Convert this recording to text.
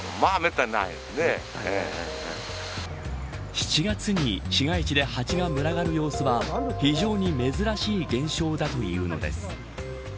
７月に市街地で蜂が群がる様子は非常に珍しい現象だというのです。